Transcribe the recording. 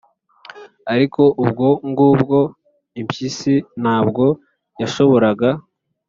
ariko ubwo ngubwo impyisi ntabwo yashoboraga